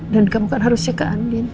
dan kamu kan harusnya ke andien